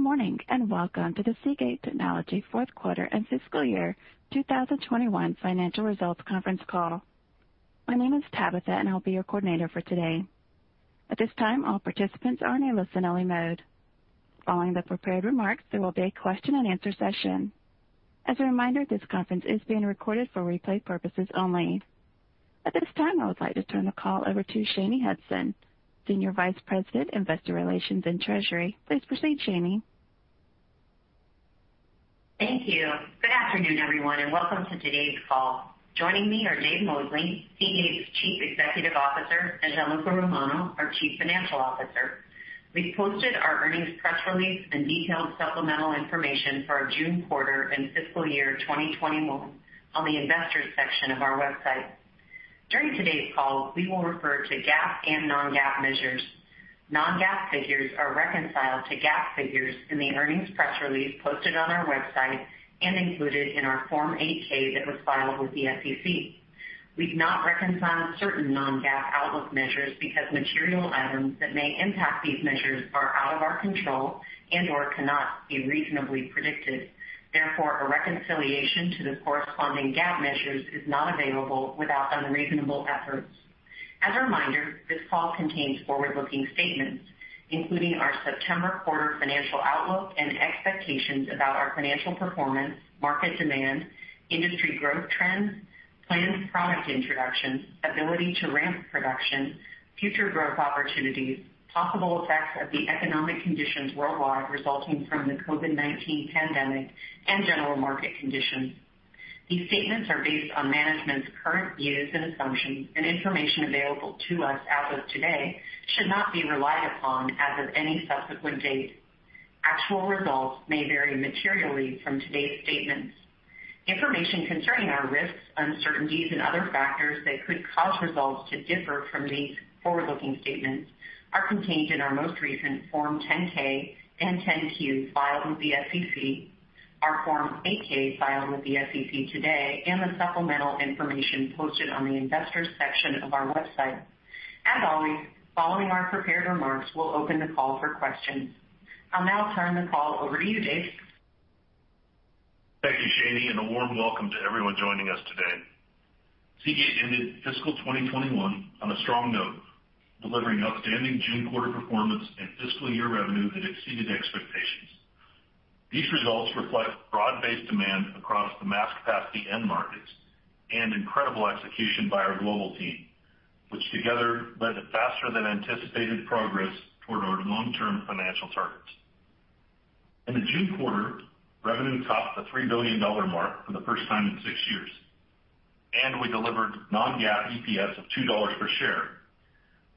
Good morning, and welcome to the Seagate Technology fourth quarter and fiscal year 2021 financial results conference call. My name is Tabitha, and I'll be your coordinator for today. At this time, all participants are in a listen-only mode. Following the prepared remarks, there will be a question-and-answer session. As a reminder, this conference is being recorded for replay purposes only. At this time, I would like to turn the call over to Shanye Hudson, Senior Vice President, Investor Relations and Treasury. Please proceed, Shanye. Thank you. Good afternoon, everyone, and welcome to today's call. Joining me are Dave Mosley, Seagate's Chief Executive Officer, and Gianluca Romano, our Chief Financial Officer. We've posted our earnings press release and detailed supplemental information for our June quarter and fiscal year 2021 on the Investors section of our website. During today's call, we will refer to GAAP and non-GAAP measures. Non-GAAP figures are reconciled to GAAP figures in the earnings press release posted on our website and included in our Form 8-K that was filed with the SEC. We've not reconciled certain non-GAAP outlook measures because material items that may impact these measures are out of our control and/or cannot be reasonably predicted. Therefore, a reconciliation to the corresponding GAAP measures is not available without unreasonable efforts. As a reminder, this call contains forward-looking statements, including our September quarter financial outlook and expectations about our financial performance, market demand, industry growth trends, planned product introductions, ability to ramp production, future growth opportunities, possible effects of the economic conditions worldwide resulting from the COVID-19 pandemic, and general market conditions. These statements are based on management's current views and assumptions, and information available to us as of today should not be relied upon as of any subsequent date. Actual results may vary materially from today's statements. Information concerning our risks, uncertainties, and other factors that could cause results to differ from these forward-looking statements are contained in our most recent Form 10-K and 10-Q filed with the SEC, our Form 8-K filed with the SEC today, and the supplemental information posted on the Investors section of our website. As always, following our prepared remarks, we'll open the call for questions. I'll now turn the call over to you, Dave. Thank you, Shanye, and a warm welcome to everyone joining us today. Seagate ended fiscal 2021 on a strong note, delivering outstanding June quarter performance and fiscal year revenue that exceeded expectations. These results reflect broad-based demand across the mass -apacity end markets and incredible execution by our global team, which together led to faster-than-anticipated progress toward our long-term financial targets. In the June quarter, revenue topped the $3 billion mark for the first time in six years, and we delivered non-GAAP EPS of $2 per share,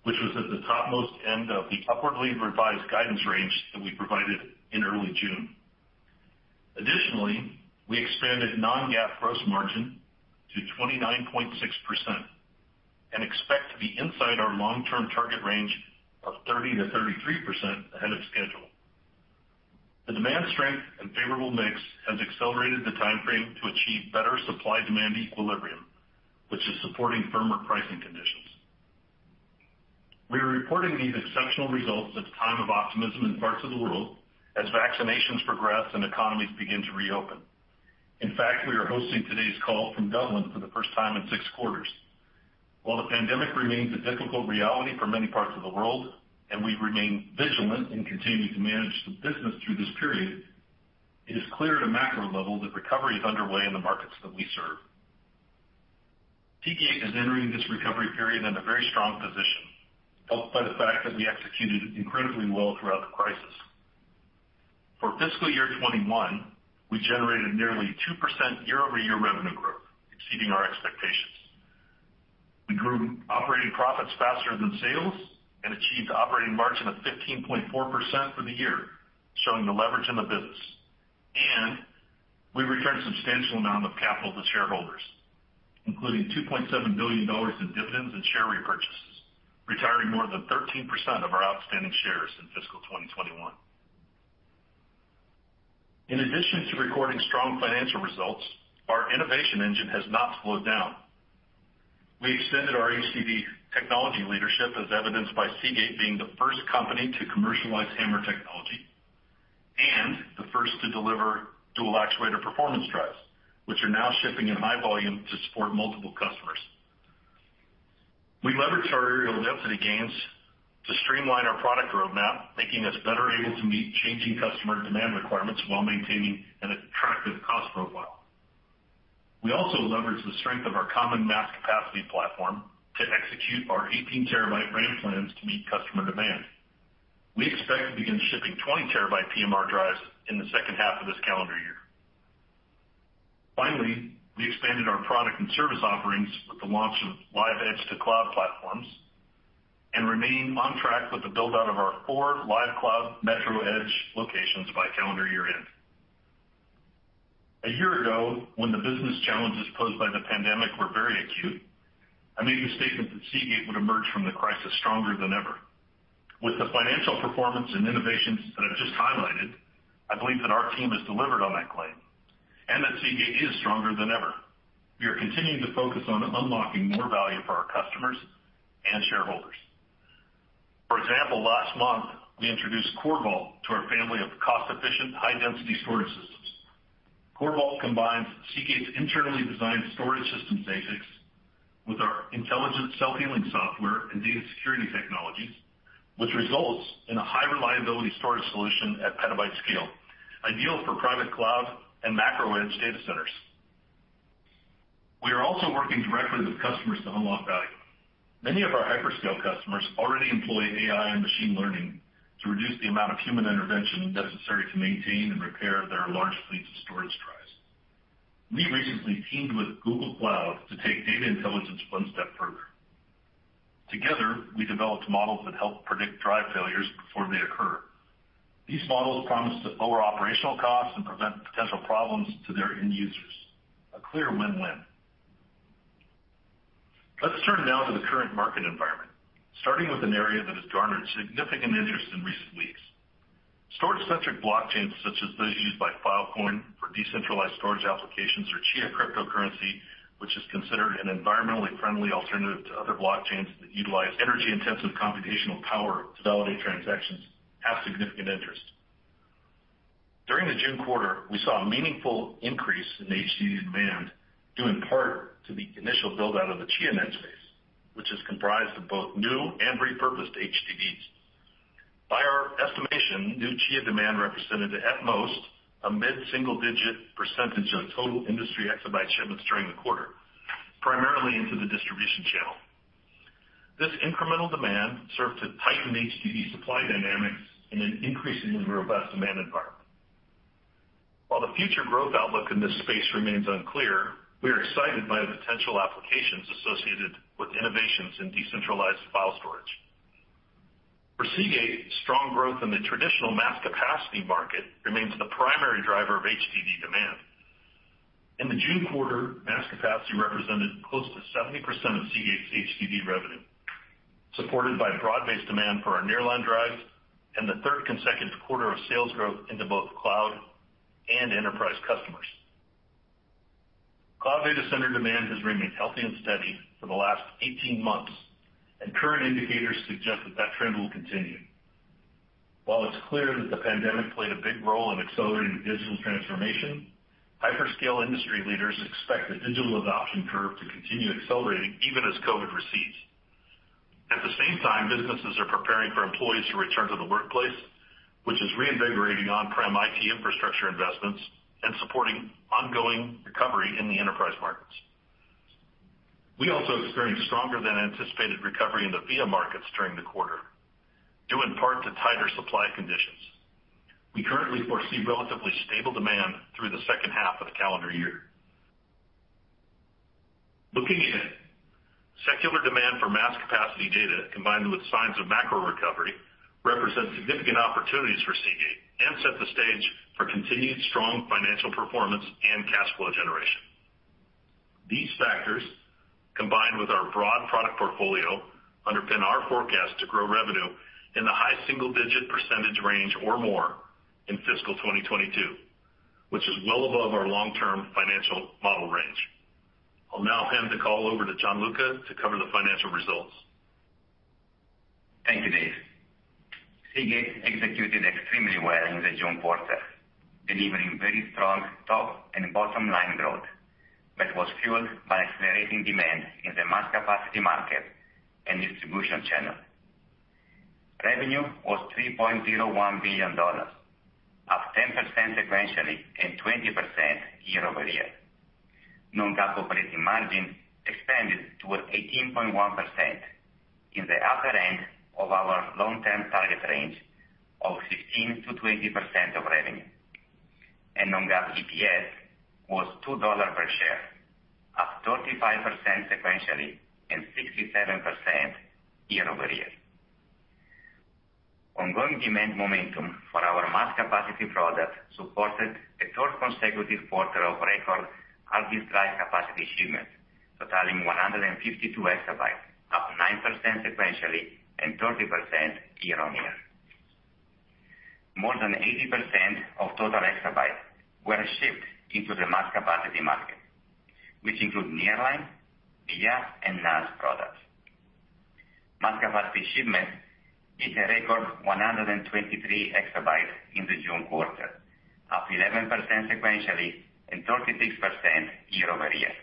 which was at the topmost end of the upwardly revised guidance range that we provided in early June. Additionally, we expanded non-GAAP gross margin to 29.6% and expect to be inside our long-term target range of 30%-33% ahead of schedule. The demand strength and favorable mix has accelerated the timeframe to achieve better supply-demand equilibrium, which is supporting firmer pricing conditions. We are reporting these exceptional results at a time of optimism in parts of the world as vaccinations progress and economies begin to reopen. In fact, we are hosting today's call from Dublin for the first time in six quarters. While the pandemic remains a difficult reality for many parts of the world, and we remain vigilant in continuing to manage the business through this period, it is clear at a macro level that recovery is underway in the markets that we serve. Seagate is entering this recovery period in a very strong position, helped by the fact that we executed incredibly well throughout the crisis. For fiscal year 2021, we generated nearly 2% year-over-year revenue growth, exceeding our expectations. We grew operating profits faster than sales and achieved operating margin of 15.4% for the year, showing the leverage in the business. We returned substantial amount of capital to shareholders, including $2.7 billion in dividends and share repurchases, retiring more than 13% of our outstanding shares in fiscal 2021. In addition to recording strong financial results, our innovation engine has not slowed down. We extended our HDD technology leadership as evidenced by Seagate being the first company to commercialize HAMR technology and the first to deliver dual actuator performance drives, which are now shipping in high volume to support multiple customers. We leveraged our areal density gains to streamline our product roadmap, making us better able to meet changing customer demand requirements while maintaining an attractive cost profile. We also leveraged the strength of our common mass-capacity platform to execute our 18 TB HAMR plans to meet customer demand. We expect to begin shipping 20 TB PMR drives in the second half of this calendar year. We expanded our product and service offerings with the launch of Lyve Edge-to-Cloud platforms and remain on track with the build-out of our four Lyve Cloud metro edge locations by calendar year-end. A year ago, when the business challenges posed by the pandemic were very acute, I made the statement that Seagate would emerge from the crisis stronger than ever. With the financial performance and innovations that I've just highlighted, I believe that our team has delivered on that claim. And that Seagate is stronger than ever. We are continuing to focus on unlocking more value for our customers and shareholders. For example, last month, we introduced CORVAULT to our family of cost-efficient, high-density storage systems. CORVAULT combines Seagate's internally designed storage systems ASICs with our intelligent self-healing software and data security technologies, which results in a high-reliability storage solution at petabyte scale, ideal for private cloud and metro edge data centers. We are also working directly with customers to unlock value. Many of our hyperscale customers already employ AI and machine learning to reduce the amount of human intervention necessary to maintain and repair their large fleets of storage drives. We recently teamed with Google Cloud to take data intelligence one step further. Together, we developed models that help predict drive failures before they occur. These models promise to lower operational costs and prevent potential problems to their end users. A clear win-win. Let's turn now to the current market environment, starting with an area that has garnered significant interest in recent weeks. Storage-centric blockchains, such as those used by Filecoin for decentralized storage applications or Chia cryptocurrency, which is considered an environmentally friendly alternative to other blockchains that utilize energy-intensive computational power to validate transactions, have significant interest. During the June quarter, we saw a meaningful increase in HDD demand, due in part to the initial build-out of the Chia Netspace, which is comprised of both new and repurposed HDDs. By our estimation, new Chia demand represented at most a mid single-digit percentage of total industry exabyte shipments during the quarter, primarily into the distribution channel. This incremental demand served to tighten HDD supply dynamics in an increasingly robust demand environment. While the future growth outlook in this space remains unclear, we are excited by the potential applications associated with innovations in decentralized file storage. For Seagate, strong growth in the traditional mass-capacity market remains the primary driver of HDD demand. In the June quarter, mass-capacity represented close to 70% of Seagate's HDD revenue, supported by broad-based demand for our nearline drives and the third consecutive quarter of sales growth into both cloud and enterprise customers. Cloud data center demand has remained healthy and steady for the last 18 months. Current indicators suggest that trend will continue. While it's clear that the pandemic played a big role in accelerating digital transformation, hyperscale industry leaders expect the digital adoption curve to continue accelerating even as COVID recedes. At the same time, businesses are preparing for employees to return to the workplace, which is reinvigorating on-prem IT infrastructure investments and supporting ongoing recovery in the enterprise markets. We also experienced a stronger-than-anticipated recovery in the VIA markets during the quarter, due in part to tighter supply conditions. We currently foresee relatively stable demand through the second half of the calendar year. Looking in, secular demand for mass-capacity data, combined with signs of macro recovery, represents significant opportunities for Seagate and set the stage for continued strong financial performance and cash flow generation. These factors, combined with our broad product portfolio, underpin our forecast to grow revenue in the high single-digit percentage range or more in fiscal 2022, which is well above our long-term financial model range. I'll now hand the call over to Gianluca to cover the financial results. Thank you, Dave. Seagate executed extremely well in the June quarter, delivering very strong top and bottom-line growth that was fueled by accelerating demand in the mass-capacity market and distribution channel. Revenue was $3.01 billion, up 10% sequentially, and 20% year-over-year. Non-GAAP operating margin expanded to 18.1% in the upper end of our long-term target range of 15%-20% of revenue. Non-GAAP EPS was $2 per share, up 35% sequentially and 67% year-over-year. Ongoing demand momentum for our mass-capacity products supported a third consecutive quarter of record hard disk drive capacity shipments, totaling 152 EB, up 9% sequentially and 30% year-on-year. More than 80% of total exabytes were shipped into the mass-capacity market, which includes nearline, VIA, and NAS products. Mass-capacity shipments hit a record 123 EB in the June quarter, up 11% sequentially and 36% year-over-year.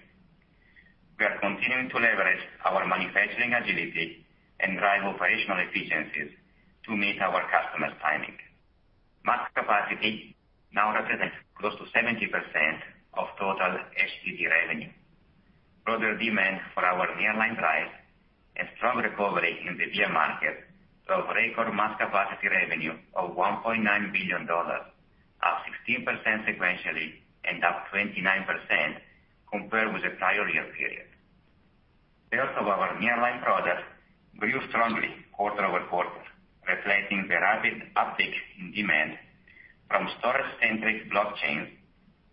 We are continuing to leverage our manufacturing agility and drive operational efficiencies to meet our customers' timing. Mass-capacity now represents close to 70% of total HDD revenue. Further demand for our nearline drive and strong recovery in the VIA market saw record mass-capacity revenue of $1.9 billion, up 16% sequentially and up 29% compared with the prior year period. Sales of our nearline product grew strongly quarter-over-quarter, reflecting the rapid uptick in demand from storage-centric blockchain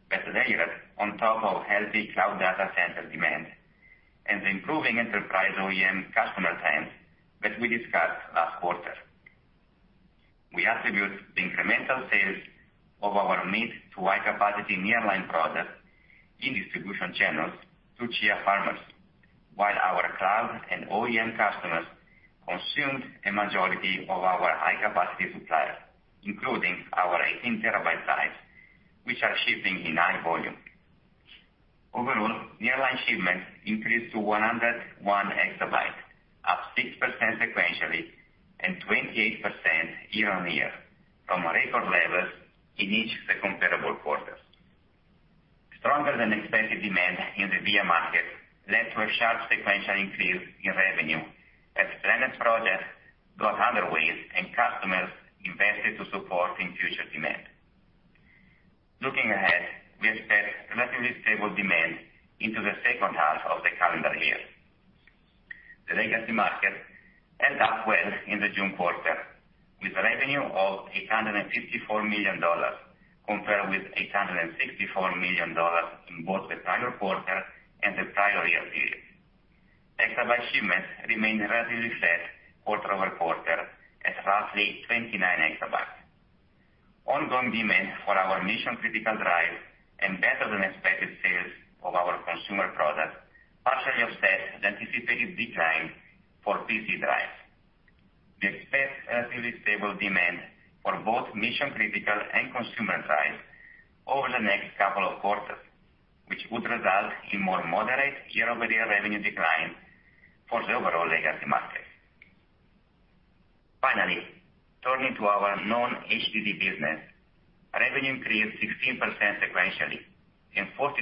that layered on top of healthy cloud data center demand and improving enterprise OEM customer trends that we discussed last quarter. We attribute the incremental sales of our mid to high capacity nearline products in distribution channels to Chia farmers. While our cloud and OEM customers consumed a majority of our high-capacity supply, including our 18 TB drives, which are shipping in high volume. Overall, nearline shipments increased to 101 EB, up 6% sequentially and 28% year-on-year from record levels in each of the comparable quarters. Stronger than expected demand in the VIA market led to a sharp sequential increase in revenue as planned projects got under way and customers invested to support in future demand. Looking ahead, we expect relatively stable demand into the second half of the calendar year. The legacy market held up well in the June quarter, with revenue of $854 million compared with $864 million in both the prior quarter and the prior year period. Exabyte shipments remained relatively flat quarter-over-quarter at roughly 29 EB. Ongoing demand for our mission-critical drives and better-than-expected sales of our consumer products partially offset the anticipated decline for PC drives. We expect relatively stable demand for both mission-critical and consumer drives over the next couple of quarters, which would result in more moderate year-over-year revenue decline for the overall legacy market. Finally, turning to our non-HDD business. Revenue increased 16% sequentially and 42%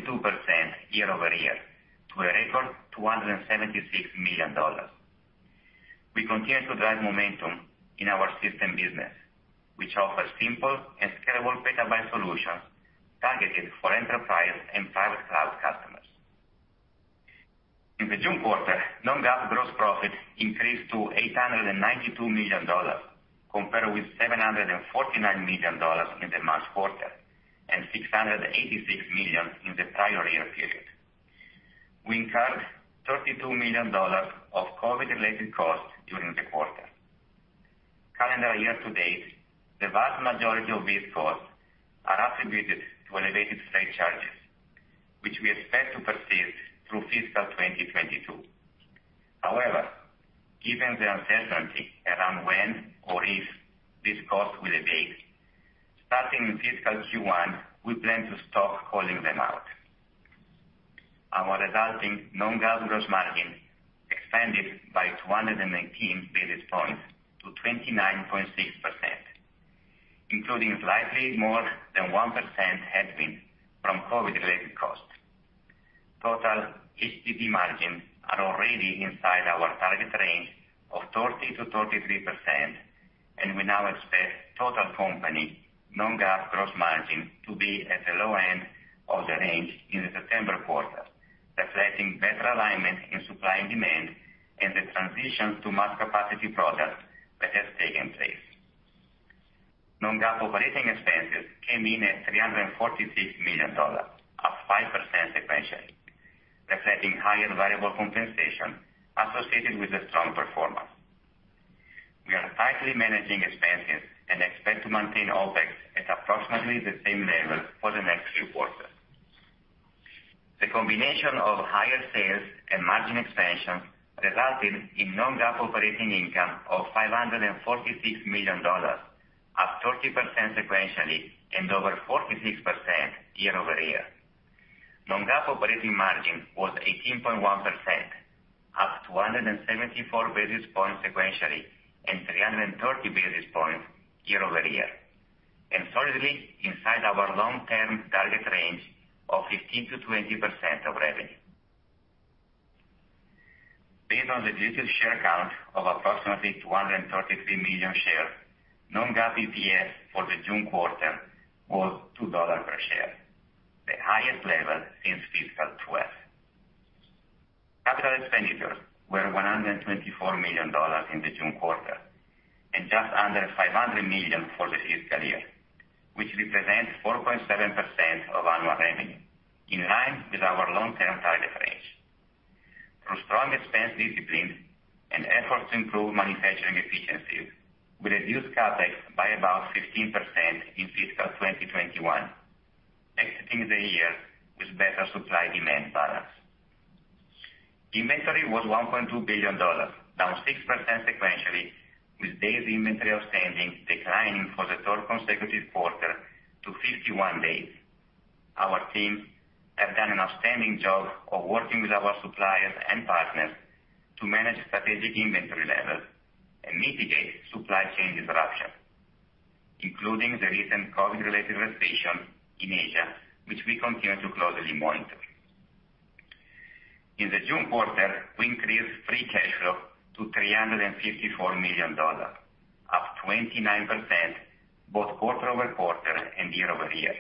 year-over-year to a record $276 million. We continue to drive momentum in our system business, which offers simple and scalable petabyte solutions targeted for enterprise and private cloud customers. In the June quarter, non-GAAP gross profit increased to $892 million, compared with $749 million in the March quarter and $686 million in the prior year period. We incurred $32 million of COVID-related costs during the quarter. Calendar year to date, the vast majority of these costs are attributed to elevated freight charges, which we expect to persist through fiscal 2022. Given the uncertainty around when or if this cost will abate, starting in fiscal Q1, we plan to stop calling them out. Our resulting non-GAAP gross margin expanded by 219 basis points to 29.6%, including slightly more than 1% headwind from COVID-related costs. Total HDD margins are already inside our target range of 30%-33%, and we now expect total company non-GAAP gross margin to be at the low end of the range in the September quarter, reflecting better alignment in supply and demand and the transition to mass-capacity products that has taken place. Non-GAAP operating expenses came in at $346 million, up 5% sequentially, reflecting higher variable compensation associated with a strong performance. We are tightly managing expenses and expect to maintain OpEx at approximately the same level for the next few quarters. The combination of higher sales and margin expansion resulted in non-GAAP operating income of $546 million, up 30% sequentially and over 46% year-over-year. Non-GAAP operating margin was 18.1%, up 274 basis points sequentially and 330 basis points year-over-year, and solidly inside our long-term target range of 15%-20% of revenue. Based on the diluted share count of approximately 233 million shares, non-GAAP EPS for the June quarter was $2 per share, the highest level since fiscal 2012. Capital expenditures were $124 million in the June quarter and just under $500 million for the fiscal year, which represents 4.7% of annual revenue, in line with our long-term target range. Through strong expense discipline and efforts to improve manufacturing efficiencies, we reduced CapEx by about 15% in fiscal 2021, exiting the year with better supply-demand balance. Inventory was $1.2 billion, down 6% sequentially, with days inventory outstanding declining for the third consecutive quarter to 51 days. Our teams have done an outstanding job of working with our suppliers and partners to manage strategic inventory levels and mitigate supply chain disruption, including the recent COVID-related restrictions in Asia, which we continue to closely monitor. In the June quarter, we increased free cash flow to $354 million, up 29% both quarter-over-quarter and year-over-year.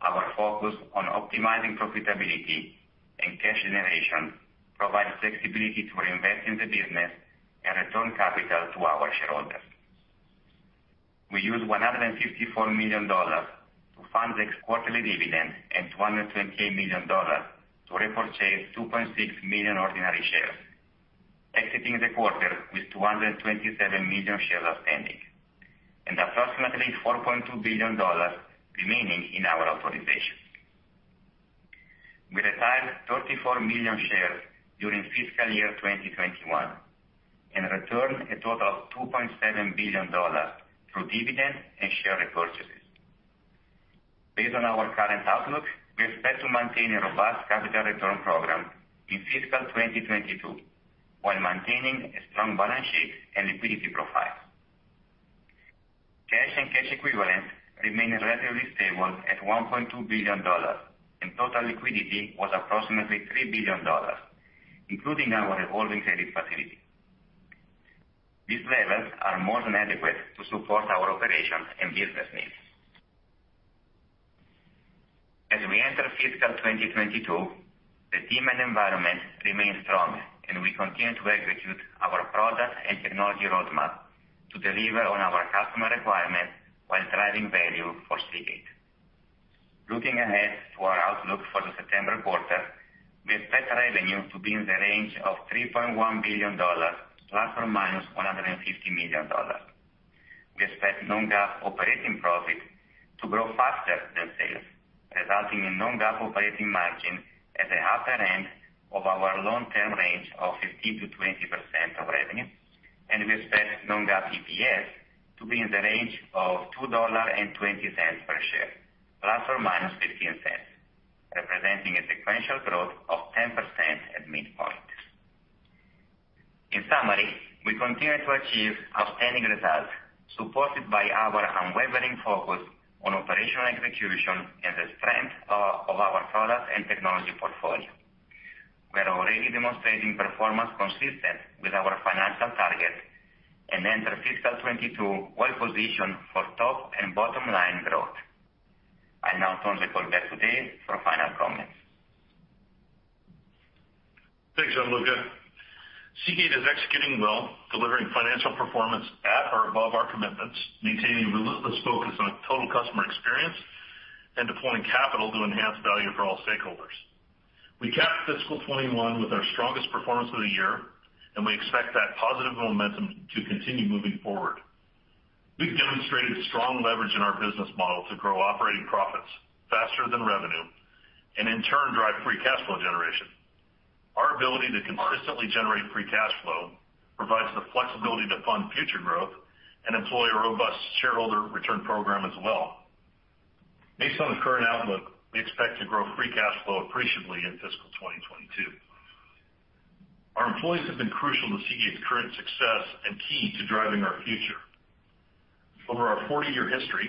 Our focus on optimizing profitability and cash generation provides flexibility to reinvest in the business and return capital to our shareholders. We used $154 million to fund the quarterly dividend and $228 million to repurchase 2.6 million ordinary shares. Exiting the quarter with 227 million shares outstanding and approximately $4.2 billion remaining in our authorization. We retired 34 million shares during fiscal year 2021 and returned a total of $2.7 billion through dividends and share repurchases. Based on our current outlook, we expect to maintain a robust capital return program in fiscal 2022 while maintaining a strong balance sheet and liquidity profile. Cash and cash equivalents remained relatively stable at $1.2 billion, and total liquidity was approximately $3 billion, including our revolving credit facility. These levels are more than adequate to support our operations and business needs. As we enter fiscal 2022, the team and environment remain strong, and we continue to execute our product and technology roadmap to deliver on our customer requirements while driving value for Seagate. Looking ahead to our outlook for the September quarter, we expect revenue to be in the range of $3.1 billion ±$150 million. We expect non-GAAP operating profit to grow faster than sales, resulting in non-GAAP operating margin at the upper end of our long-term range of 15%-20% of revenue. We expect non-GAAP EPS to be in the range of $2.20 per share, ±$0.15, representing a sequential growth of 10% at midpoint. In summary, we continue to achieve outstanding results, supported by our unwavering focus on operational execution and the strength of our product and technology portfolio. We are already demonstrating performance consistent with our financial targets and enter fiscal 2022 well-positioned for top and bottom-line growth. I now turn the call back to Dave for final comments. Thanks, Gianluca. Seagate is executing well, delivering financial performance at or above our commitments, maintaining relentless focus on total customer experience, and deploying capital to enhance value for all stakeholders. We capped fiscal 2021 with our strongest performance of the year. We expect that positive momentum to continue moving forward. We've demonstrated strong leverage in our business model to grow operating profits faster than revenue and, in turn, drive free cash flow generation. Our ability to consistently generate free cash flow provides the flexibility to fund future growth and employ a robust shareholder return program as well. Based on the current outlook, we expect to grow free cash flow appreciably in fiscal 2022. Our employees have been crucial to Seagate's current success and key to driving our future. Over our 40-year history,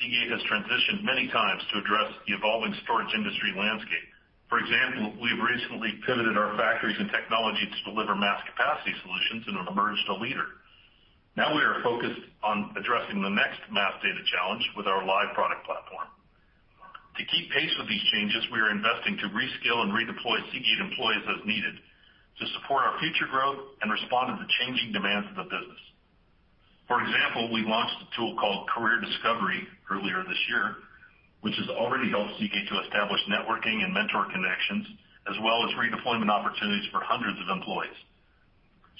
Seagate has transitioned many times to address the evolving storage industry landscape. For example, we've recently pivoted our factories and technology to deliver mass-capacity solutions and have emerged a leader. Now, we are focused on addressing the next mass data challenge with our Lyve product platform. To keep pace with these changes, we are investing to reskill and redeploy Seagate employees as needed to support our future growth and respond to the changing demands of the business. For example, we launched a tool called Career Discovery earlier this year, which has already helped Seagate to establish networking and mentor connections, as well as redeployment opportunities for hundreds of employees.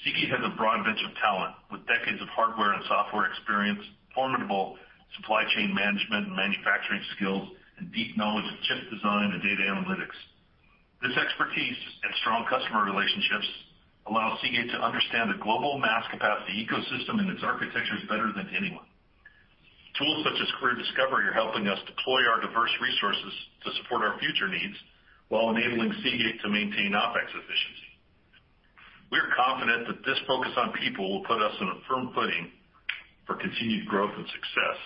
Seagate has a broad bench of talent with decades of hardware and software experience, formidable supply chain management and manufacturing skills, and deep knowledge of chip design and data analytics. This expertise and strong customer relationships allow Seagate to understand the global mass-capacity ecosystem and its architectures better than anyone. Tools such as Career Discovery are helping us deploy our diverse resources to support our future needs while enabling Seagate to maintain OpEx efficiency. We are confident that this focus on people will put us in a firm footing for continued growth and success.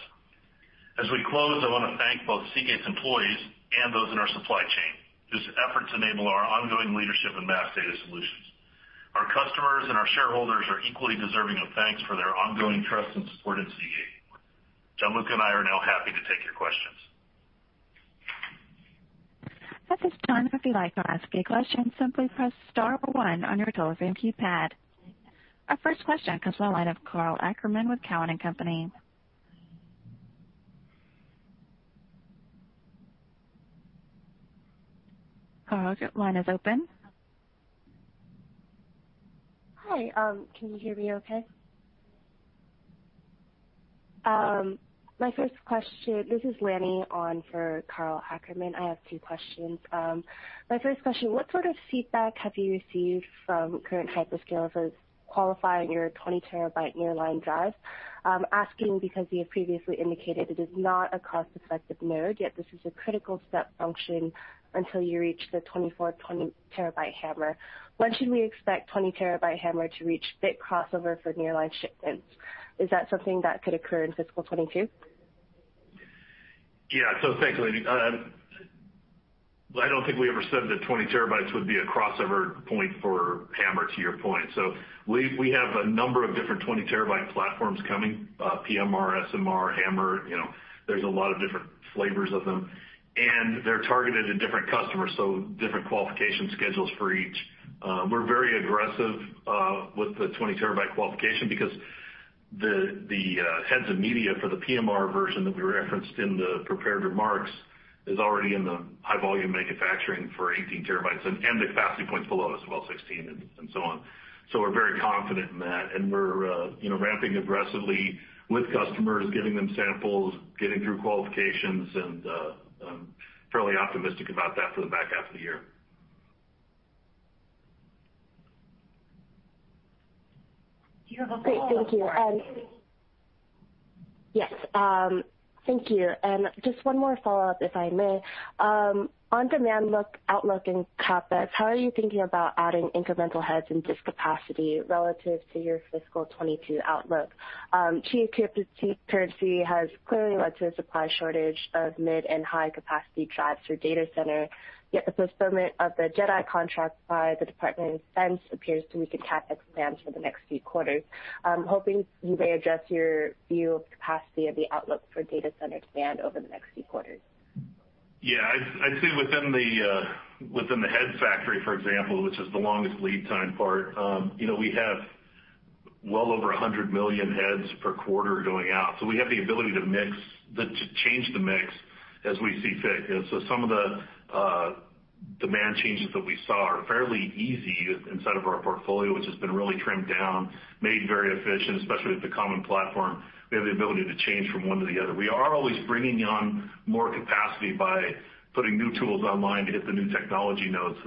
As we close, I want to thank both Seagate's employees and those in our supply chain, whose efforts enable our ongoing leadership in mass data solutions. Our customers and our shareholders are equally deserving of thanks for their ongoing trust and support in Seagate. Gianluca and I are now happy to take your questions. At this time, if you'd like to ask a question, simply press star one on your telephone keypad. Our first question comes from the line of Karl Ackerman with Cowen and Company. Karl, your line is open. Hi. Can you hear me, okay? My first question, this is Lenny on for Karl. I have two questions. My first question, what sort of feedback have you received from current hyperscalers as qualifying your 20 TB nearline drive? I'm asking because you have previously indicated it is not a cost-effective node, yet this is a critical step function until you reach the 24 TB HAMR. When should we expect 20 TB HAMR to reach bit crossover for nearline shipments? Is that something that could occur in fiscal 2022? Yeah. Thanks, Lenny. I don't think we ever said that 20 TB would be a crossover point for HAMR, to your point. We have a number of different 20 TB platforms coming, PMR, SMR, HAMR. There's a lot of different flavors of them, and they're targeted at different customers, so different qualification schedules for each. We're very aggressive with the 20 TB qualification. The heads and media for the PMR version that we referenced in the prepared remarks is already in the high-volume manufacturing for 18 TB and the capacity points below as well, 16 TB and so on. We're very confident in that, and we're ramping aggressively with customers, giving them samples, getting through qualifications, and I'm fairly optimistic about that for the back half of the year. You have a follow-up, Lenny. Great. Thank you. Yes. Thank you. Just one more follow-up, if I may. On demand outlook and CapEx, how are you thinking about adding incremental heads and disk capacity relative to your fiscal 2022 outlook? Chia currency has clearly led to a supply shortage of mid and high-capacity drives for data center, yet the postponement of the JEDI contract by the Department of Defense appears to weaken CapEx plans for the next few quarters. I'm hoping you may address your view of capacity of the outlook for data center demand over the next few quarters. Yeah. I'd say within the head factory, for example, which is the longest lead time part, we have well over 100 million heads per quarter going out. So some of the demand changes that we saw are fairly easy inside of our portfolio, which has been really trimmed down, made very efficient, especially with the common platform. We have the ability to change from 1 to the other. We are always bringing on more capacity by putting new tools online to hit the new technology nodes.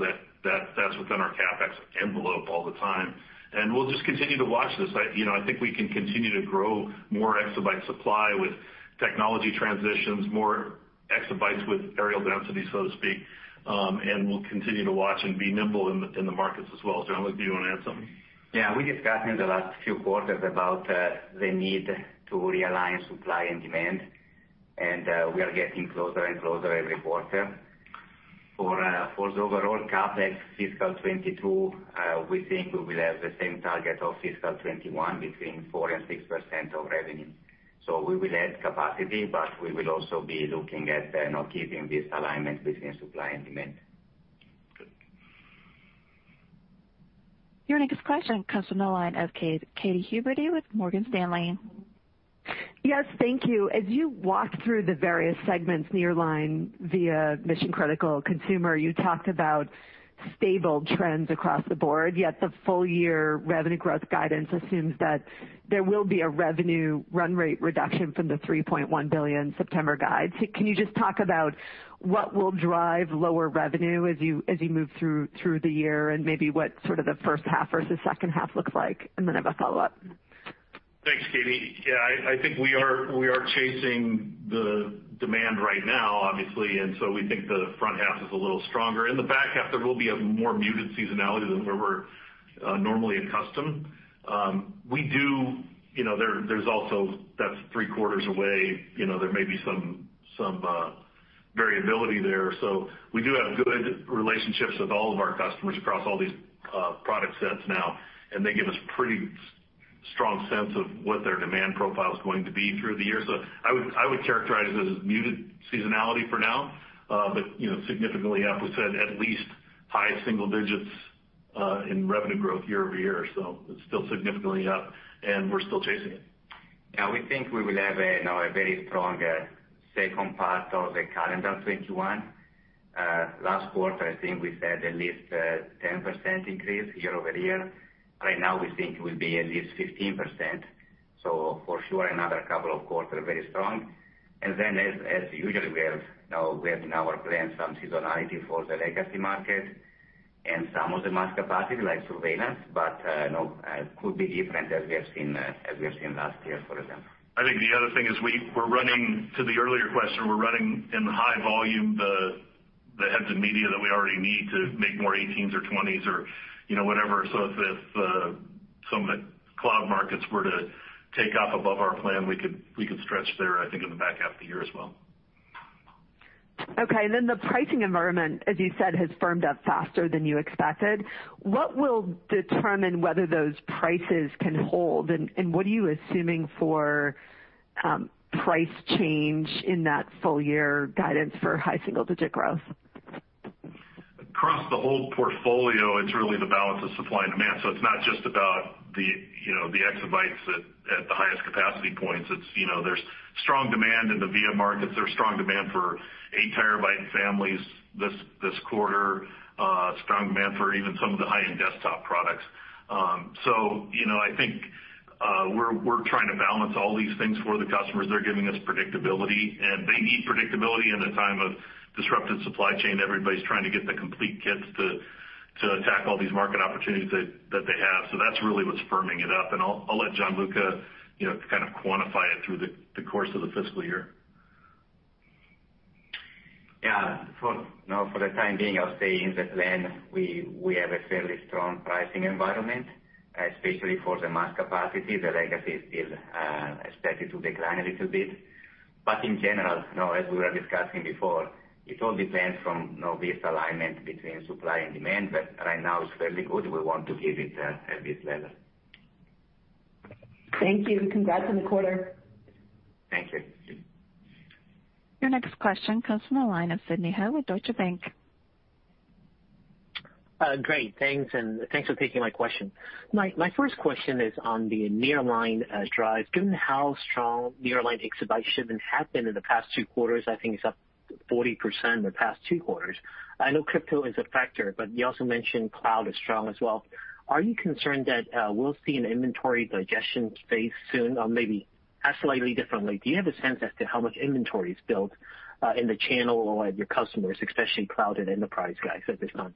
That's within our CapEx envelope all the time, and we'll just continue to watch this. I think we can continue to grow more exabyte supply with technology transitions, more exabytes with areal density, so to speak. We'll continue to watch and be nimble in the markets as well. Gianluca, do you want to add something? Yeah. We discussed in the last few quarters about the need to realign supply and demand, and we are getting closer and closer every quarter. For the overall CapEx fiscal 2022, we think we will have the same target of fiscal 2021, between 4% and 6% of revenue. We will add capacity, but we will also be looking at now keeping this alignment between supply and demand. Good. Your next question comes from the line of Katy Huberty with Morgan Stanley. Yes, thank you. As you walked through the various segments nearline via mission-critical consumer, you talked about stable trends across the board. Yet the full-year revenue growth guidance assumes that there will be a revenue run rate reduction from the $3.1 billion September guide. Can you just talk about what will drive lower revenue as you move through the year and maybe what sort of the first half versus second half looks like? Then I have a follow-up. Thanks, Katy. I think we are chasing the demand right now, obviously. We think the front half is a little stronger. In the back half, there will be a more muted seasonality than where we're normally accustomed. That's three quarters away. There may be some variability there. We do have good relationships with all of our customers across all these product sets now, and they give us pretty strong sense of what their demand profile is going to be through the year. I would characterize it as muted seasonality for now. Significantly up, we said at least high single digits in revenue growth year-over-year. It's still significantly up, and we're still chasing it. Yeah, we think we will have now a very strong second part of the calendar 2021. Last quarter, I think we said at least 10% increase year-over-year. Right now, we think it will be at least 15%. For sure, another couple of quarters are very strong. As usual, we have now planned some seasonality for the legacy market and some of the mass-capacity like surveillance. No, it could be different as we have seen last year, for example. I think the other thing is, to the earlier question, we're running in the high volume the heads and media that we already need to make more 18 TB or 20 TB or whatever. If some of the cloud markets were to take off above our plan, we could stretch there, I think, in the back half of the year as well. Okay. The pricing environment, as you said, has firmed up faster than you expected. What will determine whether those prices can hold? What are you assuming for price change in that full year guidance for high single-digit growth? Across the whole portfolio, it's really the balance of supply and demand. It's not just about the exabytes at the highest capacity points. There's strong demand in the VIA markets. There's strong demand for 8 TB families this quarter, strong demand for even some of the high-end desktop products. I think we're trying to balance all these things for the customers. They're giving us predictability, and they need predictability in a time of disrupted supply chain. Everybody's trying to get the complete kits to attack all these market opportunities that they have. That's really what's firming it up. I'll let Gianluca kind of quantify it through the course of the fiscal year. Yeah. For now, for the time being, I'll say in the plan, we have a fairly strong pricing environment, especially for the mass-capacity. The legacy is still expected to decline a little bit. In general, as we were discussing before, it all depends from this alignment between supply and demand. Right now, it's fairly good. We want to keep it at this level. Thank you, and congrats on the quarter. Thank you. Your next question comes from the line of Sidney Ho with Deutsche Bank. Great. Thanks, and thanks for taking my question. My first question is on the nearline drive. Given how strong nearline exabyte shipments have been in the past two quarters, I think it's up 40% in the past two quarters. I know crypto is a factor, but you also mentioned cloud is strong as well. Are you concerned that we'll see an inventory digestion phase soon? Maybe asked slightly differently, do you have a sense as to how much inventory is built in the channel or your customers, especially cloud and enterprise guys at this time?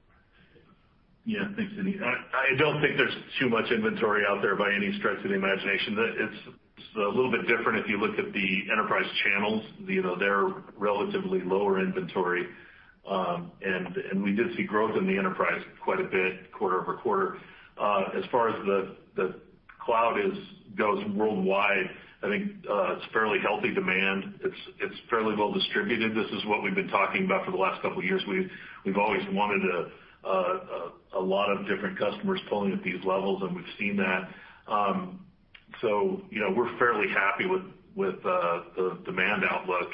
Thanks, Sidney. I don't think there's too much inventory out there by any stretch of the imagination. It's a little bit different if you look at the enterprise channels. They're relatively lower inventory. We did see growth in the enterprise quite a bit quarter-over-quarter. As far as the cloud goes worldwide, I think it's fairly healthy demand. It's fairly well distributed. This is what we've been talking about for the last couple of years. We've always wanted a lot of different customers pulling at these levels, and we've seen that. We're fairly happy with the demand outlook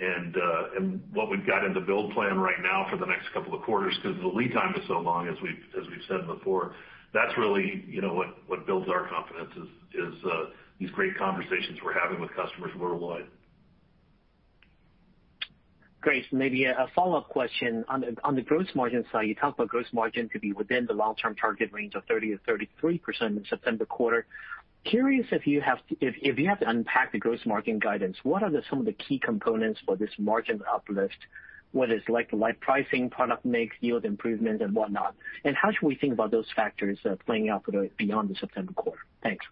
and what we've got in the build plan right now for the next couple of quarters because the lead time is so long, as we've said before. That's really what builds our confidence, is these great conversations we're having with customers worldwide. Great. Maybe a follow-up question. On the gross margin side, you talked about gross margin could be within the long-term target range of 30%-33% in the September quarter. Curious if you have to unpack the gross margin guidance, what are some of the key components for this margin uplift, whether it's like-to-like pricing, product mix, yield improvement, and whatnot? How should we think about those factors playing out beyond the September quarter? Thanks.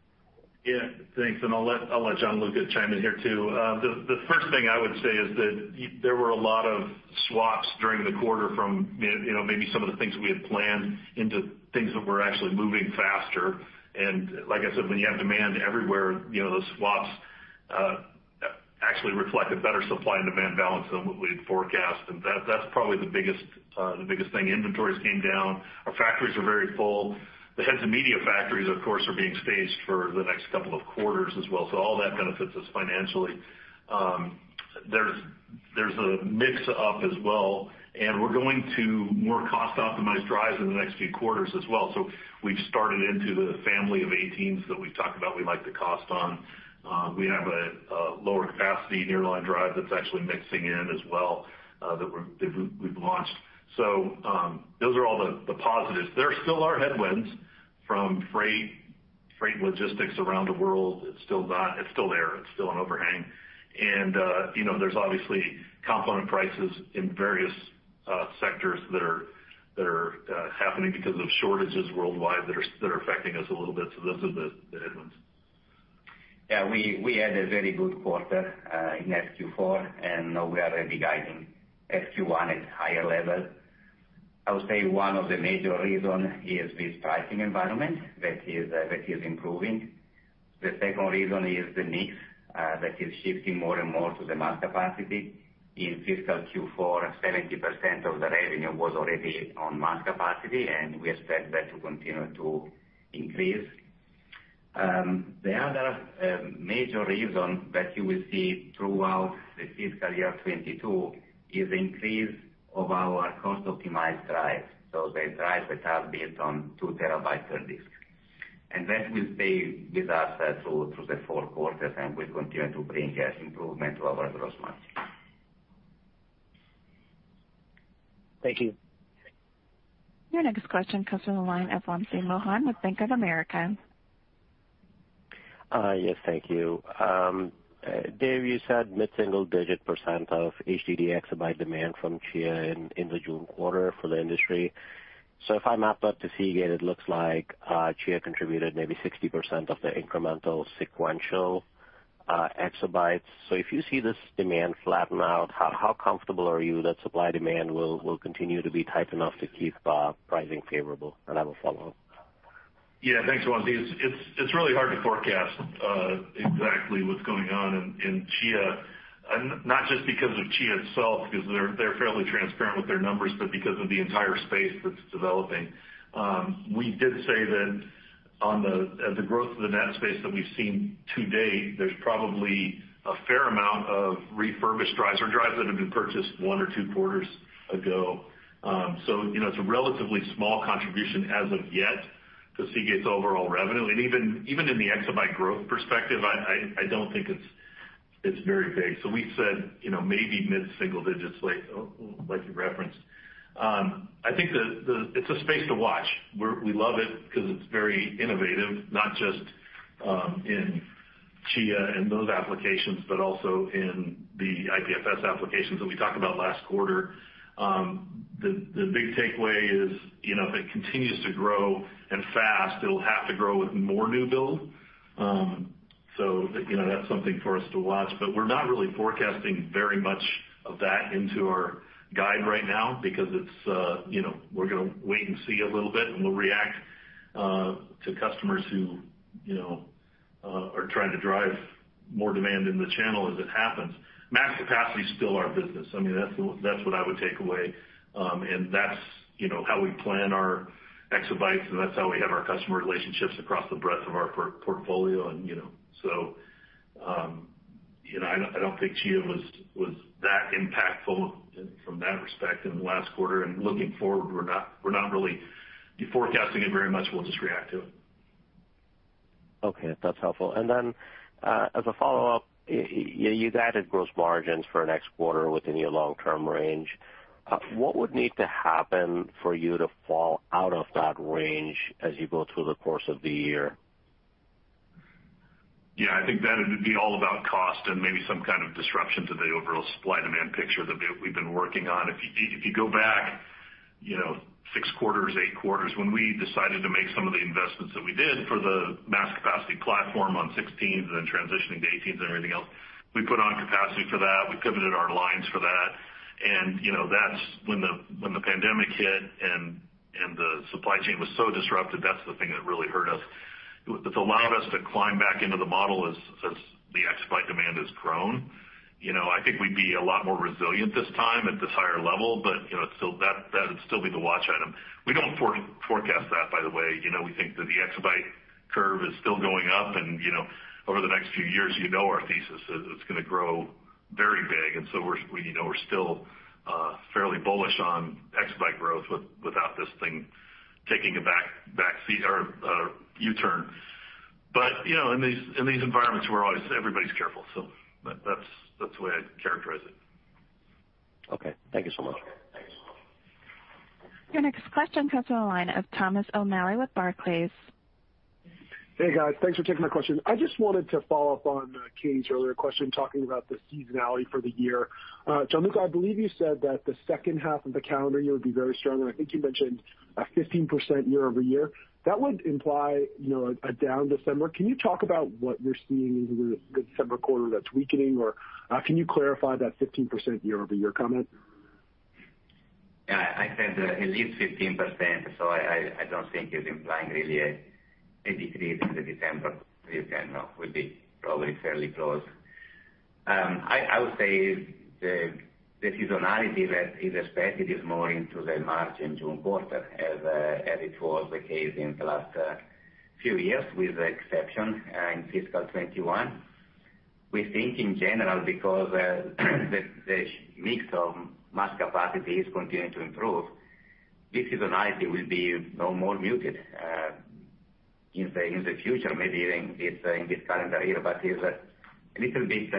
Yeah. Thanks. I'll let Gianluca chime in here too. The first thing I would say is that there were a lot of swaps during the quarter from maybe some of the things that we had planned into things that were actually moving faster. Like I said, when you have demand everywhere, those swaps actually reflect a better supply and demand balance than what we had forecast. That's probably the biggest thing. Inventories came down. Our factories are very full. The heads and media factories, of course, are being staged for the next couple of quarters as well. All that benefits us financially. There's a mix-up as well, and we're going to more cost-optimized drives in the next few quarters as well. We've started into the family of 18 TB that we've talked about we like the cost on. We have a lower capacity nearline drive that's actually mixing in as well that we've launched. Those are all the positives. There still are headwinds from freight logistics around the world. It's still there. It's still an overhang. There's obviously component prices in various sectors that are happening because of shortages worldwide that are affecting us a little bit. Those are the headwinds. Yeah. We had a very good quarter in Q4, and now we are already guiding Q1 at higher levels. I would say one of the major reasons is this pricing environment that is improving. The second reason is the mix that is shifting more and more to the mass-capacity. In fiscal Q4, 70% of the revenue was already on mass-capacity, and we expect that to continue to increase. The other major reason that you will see throughout the fiscal year 2022 is increase of our cost-optimized drive. The drive that are built on two terabytes per disk. That will stay with us through the four quarters and will continue to bring us improvement to our gross margin. Thank you. Your next question comes from the line of Wamsi Mohan with Bank of America. Yes. Thank you. Dave, you said mid-single digit percent of HDD exabyte demand from Chia in the June quarter for the industry. If I map that to Seagate, it looks like Chia contributed maybe 60% of the incremental sequential exabytes. If you see this demand flatten out, how comfortable are you that supply-demand will continue to be tight enough to keep pricing favorable? I have a follow-up. Thanks, Wamsi. It's really hard to forecast exactly what's going on in Chia, not just because of Chia itself, because they're fairly transparent with their numbers, but because of the entire space that's developing. We did say that on the growth of the Netspace that we've seen to date, there's probably a fair amount of refurbished drives or drives that have been purchased one or two quarters ago. It's a relatively small contribution as of yet to Seagate's overall revenue, and even in the exabyte growth perspective, I don't think it's very big. We said maybe mid-single digits like you referenced. I think it's a space to watch. We love it because it's very innovative, not just in Chia and those applications, but also in the IPFS applications that we talked about last quarter. The big takeaway is, if it continues to grow and fast, it'll have to grow with more new build. That's something for us to watch, but we're not really forecasting very much of that into our guide right now because we're going to wait and see a little bit, and we'll react to customers who are trying to drive more demand in the channel as it happens. Mass-capacity is still our business. I mean, that's what I would take away, and that's how we plan our exabytes, and that's how we have our customer relationships across the breadth of our portfolio, and so I don't think Chia was that impactful from that respect in the last quarter. Looking forward, we're not really forecasting it very much. We'll just react to it. Okay. That's helpful. As a follow-up, you guided gross margins for next quarter within your long-term range. What would need to happen for you to fall out of that range as you go through the course of the year? Yeah, I think that it would be all about cost and maybe some kind of disruption to the overall supply-demand picture that we've been working on. If you go back six quarters, eight quarters, when we decided to make some of the investments that we did for the mass-capacity platform on 16 TB, then transitioning to 18 TB and everything else, we put on capacity for that. We pivoted our lines for that. When the pandemic hit, and the supply chain was so disrupted, that's the thing that really hurt us. What's allowed us to climb back into the model as the exabyte demand has grown, I think we'd be a lot more resilient this time at this higher level, but that'd still be the watch item. We don't forecast that, by the way. We think that the exabyte curve is still going up. Over the next few years, you know our thesis is it's going to grow very big. We're still fairly bullish on exabyte growth without this thing taking a u-turn. In these environments, everybody's careful. That's the way I'd characterize it. Okay. Thank you so much. Thanks. Your next question comes from the line of Thomas O'Malley with Barclays. Hey, guys. Thanks for taking my question. I just wanted to follow up on Katy's earlier question, talking about the seasonality for the year. Gianluca, I believe you said that the second half of the calendar year would be very strong, and I think you mentioned a 15% year-over-year. That would imply a down December. Can you talk about what you're seeing into the December quarter that's weakening, or can you clarify that 15% year-over-year comment? Yeah, I said at least 15%. I don't think it's implying really a decrease in the December. It would be probably fairly close. I would say the seasonality that is expected is more into the March and June quarter as it was the case in the last few years with the exception in fiscal 2021. We think, in general, because the mix of mass-capacity is continuing to improve, this seasonality will be no more muted in the future, maybe even in this calendar year. It's a little bit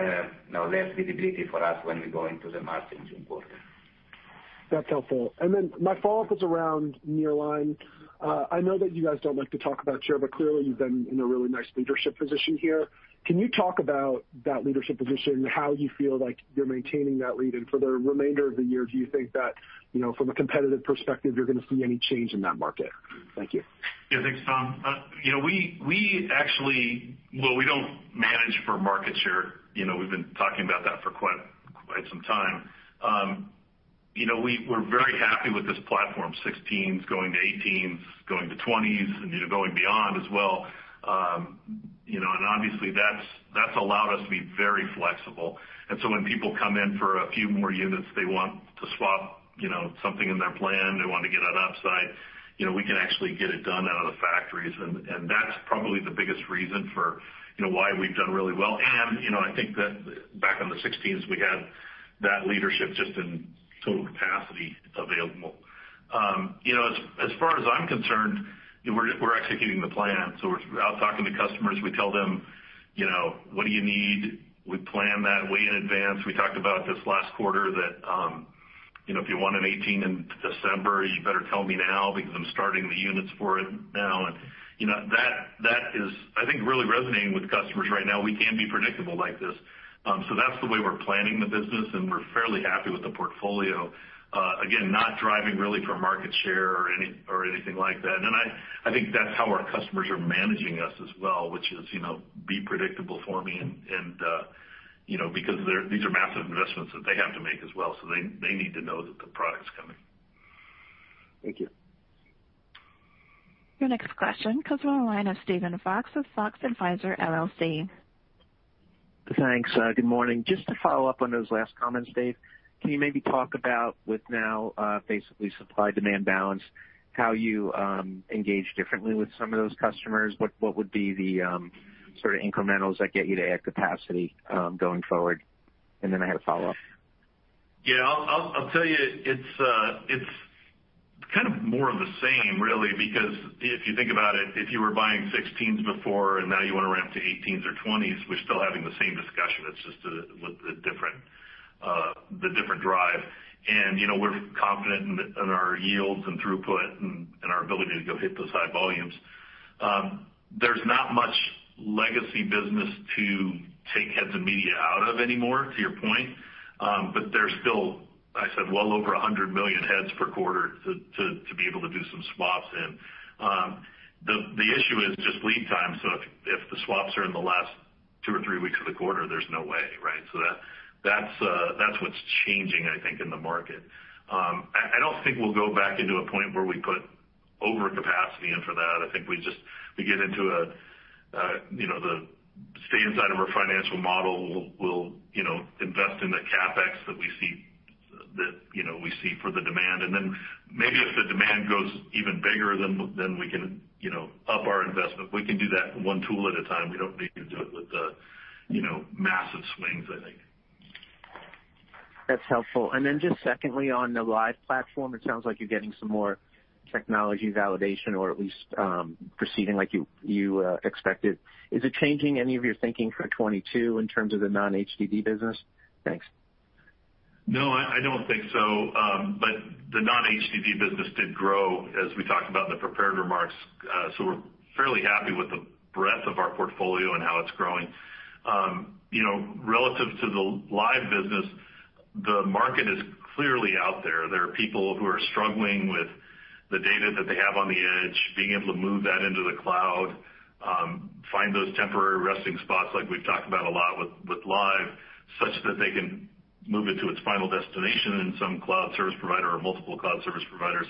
less visibility for us when we go into the March and June quarter. That's helpful. My follow-up is around nearline. I know that you guys don't like to talk about share, but clearly, you've been in a really nice leadership position here. Can you talk about that leadership position, how you feel like you're maintaining that lead? For the remainder of the year, do you think that from a competitive perspective, you're going to see any change in that market? Thank you. Yeah. Thanks, Tom. We don't manage for market share. We've been talking about that for quite some time. We're very happy with this platform, 16 TB going to 18 TB, going to 20 TB, and going beyond as well. And obviously, that's allowed us to be very flexible. When people come in for a few more units, they want to swap something in their plan, they want to get that upside, we can actually get it done out of the factories, and that's probably the biggest reason for why we've done really well. I think that back on the 16 TB, we had that leadership just in total capacity available. As far as I'm concerned, we're executing the plan. We're out talking to customers. We tell them, "What do you need?" We plan that way in advance. We talked about this last quarter that if you want an 18 TB in December, you better tell me now because I'm starting the units for it now. That is, I think, really resonating with customers right now. We can be predictable like this. That's the way we're planning the business, and we're fairly happy with the portfolio. Again, not driving really for market share or anything like that. I think that's how our customers are managing us as well, which is, be predictable for me and because these are massive investments that they have to make as well, so they need to know that the product's coming. Thank you. Your next question comes from the line of Steven Fox with Fox Advisors LLC. Thanks. Good morning. Just to follow up on those last comments, Dave, can you maybe talk about with now basically supply-demand balance, how you engage differently with some of those customers? What would be the incrementals that get you to add capacity going forward? I had a follow-up. Yeah. I'll tell you, it's kind of more of the same really, because if you think about it, if you were buying 16 TB before and now you want to ramp to 18 TB or 20 TB, we're still having the same discussion. It's just with the different drive. We're confident in our yields and throughput and our ability to go hit those high volumes. There's not much legacy business to take heads and media out of anymore, to your point. There's still, I said, well over 100 million heads per quarter to be able to do some swaps in. The issue is just lead time. If the swaps are in the last two or three weeks of the quarter, there's no way, right? That's what's changing, I think, in the market. I don't think we'll go back into a point where we put overcapacity in for that. I think we get into the stay inside of our financial model, we'll invest in the CapEx that we see for the demand, and then maybe if the demand goes even bigger, then we can up our investment. We can do that one tool at a time. We don't need to do it with the massive swings, I think. That's helpful. Then just secondly, on the Lyve platform, it sounds like you're getting some more technology validation or at least proceeding like you expected. Is it changing any of your thinking for 2022 in terms of the non-HDD business? Thanks. No, I don't think so. The non-HDD business did grow as we talked about in the prepared remarks. We're fairly happy with the breadth of our portfolio and how it's growing. Relative to the Lyve business, the market is clearly out there. There are people who are struggling with the data that they have on the edge, being able to move that into the cloud, find those temporary resting spots like we've talked about a lot with Lyve, such that they can move it to its final destination in some cloud service provider or multiple cloud service providers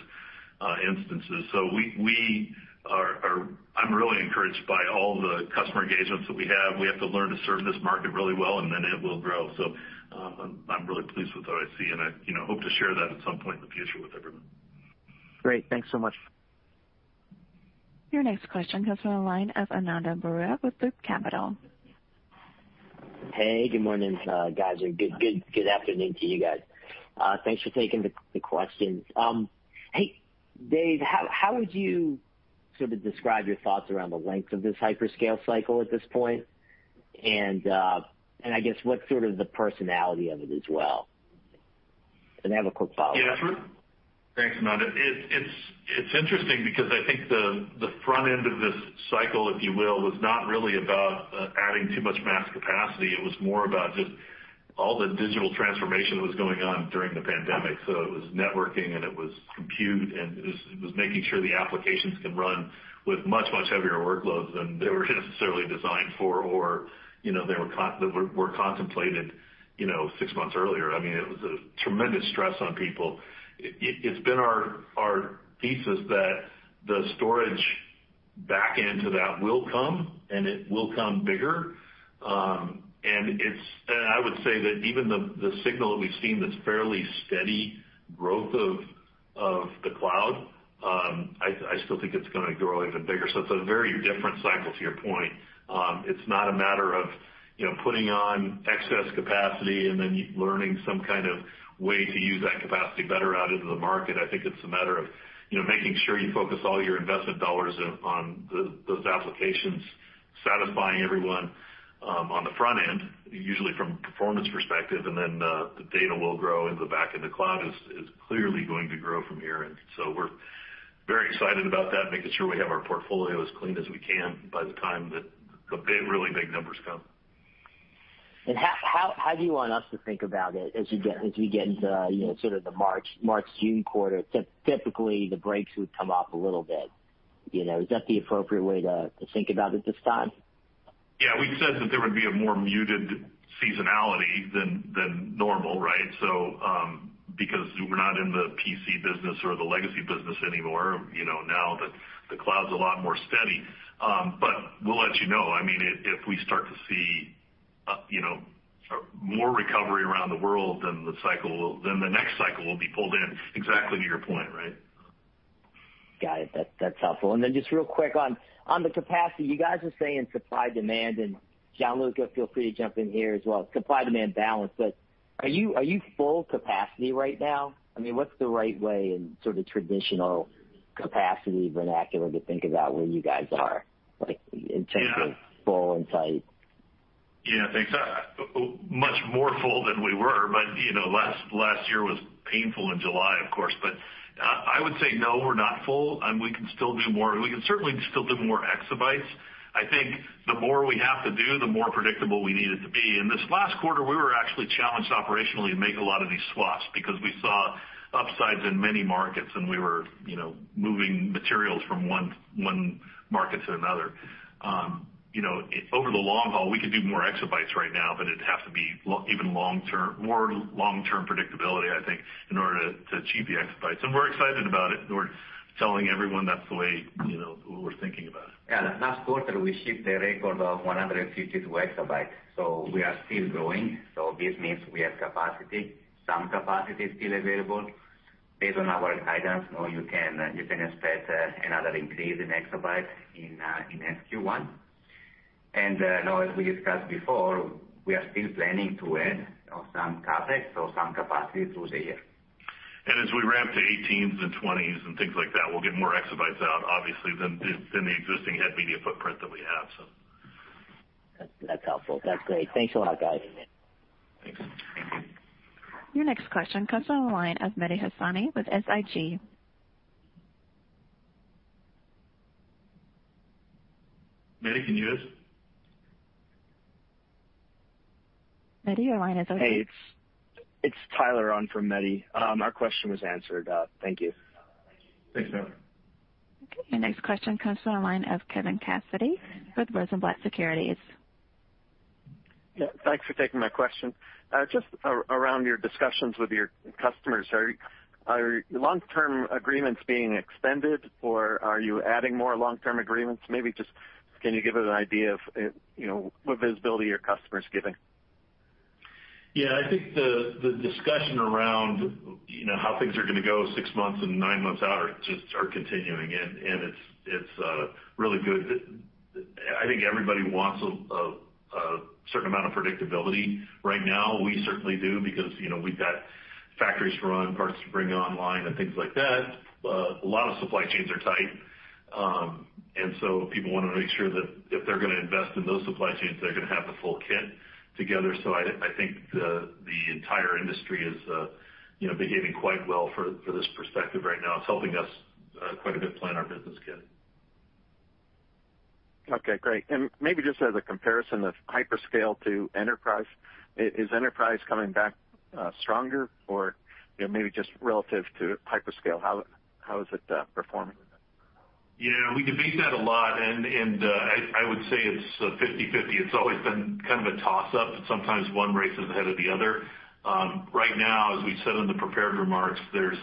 instances. I'm really encouraged by all the customer engagements that we have. We have to learn to serve this market really well, and then it will grow. I'm really pleased with where I see, and I hope to share that at some point in the future with everyone. Great. Thanks so much. Your next question comes from the line of Ananda Baruah with Loop Capital. Hey, good morning, guys, or good afternoon to you guys. Thanks for taking the questions. Hey, Dave, how would you sort of describe your thoughts around the length of this hyperscale cycle at this point? I guess what's sort of the personality of it as well? I have a quick follow-up. Yeah. Sure. Thanks, Ananda. It's interesting because I think the front end of this cycle, if you will, was not really about adding too much mass -apacity. It was more about just all the digital transformation that was going on during the pandemic. It was networking, and it was compute, and it was making sure the applications can run with much heavier workloads than they were necessarily designed for, or were contemplated six months earlier. It was a tremendous stress on people. It's been our thesis that the storage back end to that will come, and it will come bigger. I would say that even the signal that we've seen, that's fairly steady growth of the cloud, I still think it's going to grow even bigger. It's a very different cycle, to your point. It's not a matter of putting on excess capacity and then learning some kind of way to use that capacity better out into the market. I think it's a matter of making sure you focus all your investment dollars on those applications, satisfying everyone on the front end, usually from a performance perspective, and then the data will grow in the back, and the cloud is clearly going to grow from here. We're very excited about that, making sure we have our portfolio as clean as we can by the time that the really big numbers come. How do you want us to think about it as we get into sort of the March, June quarter? Typically, the brakes would come off a little bit. Is that the appropriate way to think about it this time? Yeah. We've said that there would be a more muted seasonality than normal, right? Because we're not in the PC business or the legacy business anymore, now the cloud's a lot more steady. We'll let you know. If we start to see more recovery around the world, then the next cycle will be pulled in exactly to your point, right? Got it. That's helpful. Just real quick on the capacity. You guys are saying supply-demand, and Gianluca feel free to jump in here as well, supply-demand balance, but are you full capacity right now? What's the right way in sort of traditional capacity vernacular to think about where you guys are, like in terms of full and tight? Yeah, thanks. Much more full than we were. Last year was painful in July, of course. I would say, no, we're not full, and we can still do more. We can certainly still do more exabytes. I think the more we have to do, the more predictable we need it to be. This last quarter, we were actually challenged operationally to make a lot of these swaps because we saw upsides in many markets, and we were moving materials from one market to another. Over the long haul, we could do more exabytes right now, but it'd have to be more long-term predictability, I think, in order to achieve the exabytes. We're excited about it, and we're telling everyone that's the way we're thinking about it. Yeah. Last quarter, we shipped a record of 152 EB, so we are still growing. This means we have capacity, some capacity is still available. Based on our guidance, you can expect another increase in exabytes in FQ1. As we discussed before, we are still planning to add some CapEx, so some capacity through the year. As we ramp to 18 TB and 20 TB and things like that, we'll get more exabytes out, obviously, than the existing head media footprint that we have. That's helpful. That's great. Thanks a lot, guys. Thanks. Thank you. Your next question comes on the line of Mehdi Hosseini with SIG. Mehdi, can you hear us? Mehdi, your line is open. Hey, it's Tyler on from Mehdi. Our question was answered. Thank you. Thanks, Tyler. Okay, your next question comes to the line of Kevin Cassidy with Rosenblatt Securities. Yeah. Thanks for taking my question. Just around your discussions with your customers. Are long-term agreements being extended, or are you adding more long-term agreements? Maybe just can you give us an idea of what visibility your customer is giving? I think the discussion around how things are going to go six months and nine months out just are continuing. It's really good. I think everybody wants a certain amount of predictability right now. We certainly do, because we've got factories to run, parts to bring online, and things like that. A lot of supply chains are tight. People want to make sure that if they're going to invest in those supply chains, they're going to have the full kit together. I think the entire industry is behaving quite well for this perspective right now. It's helping us quite a bit plan our business kit. Okay, great. Maybe just as a comparison of hyperscale to enterprise, is enterprise coming back stronger? Maybe just relative to hyperscale, how is it performing? Yeah. We debate that a lot, and I would say it's 50/50. It's always been kind of a toss-up, but sometimes one races ahead of the other. Right now, as we said in the prepared remarks, there's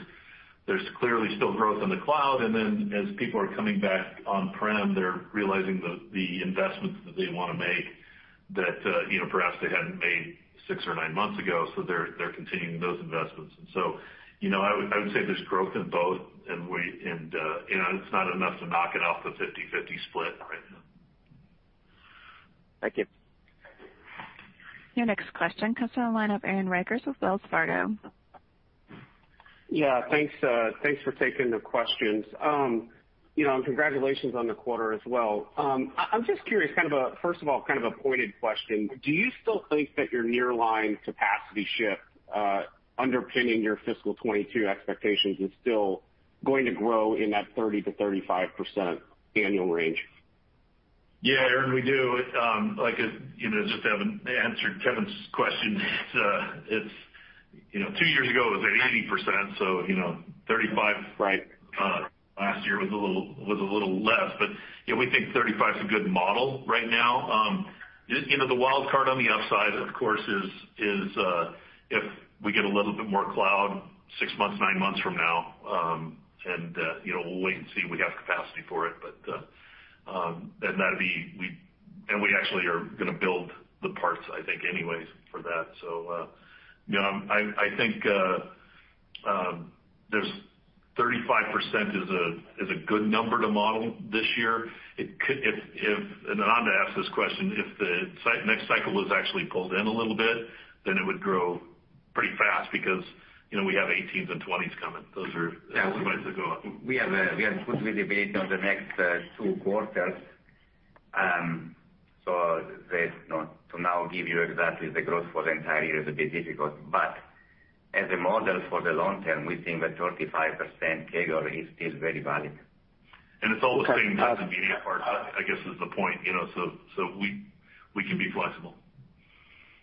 clearly still growth in the cloud, and then as people are coming back on-prem, they're realizing the investments that they want to make that perhaps they hadn't made six or nine months ago. They're continuing those investments. I would say there's growth in both, and it's not enough to knock it off the 50/50 split right now. Thank you. Your next question comes on the line of Aaron Rakers with Wells Fargo. Yeah, thanks for taking the questions. Congratulations on the quarter as well. I'm just curious, first of all, kind of a pointed question. Do you still think that your nearline capacity ship underpinning your fiscal 2022 expectations is still going to grow in that 30%-35% annual range? Yeah, Aaron, we do. Just having answered Kevin's question, two years ago, it was at 80%, so 35%- Right -last year was a little less. We think 35% a good model right now. The wild card on the upside, of course, is if we get a little bit more cloud six months, nine months from now, and we'll wait and see if we have capacity for it. We actually are going to build the parts, I think, anyways for that. I think 35% is a good number to model this year. I'm going to ask this question, if the next cycle was actually pulled in a little bit, then it would grow pretty fast because we have 18 TB and 20 TB coming. Those are ways to go up. We have put with debate on the next two quarters. To now give you exactly the growth for the entire year is a bit difficult, but as a model for the long term, we think that 35% CAGR is very valid. It's all the same heads and media part, I guess, is the point. We can be flexible.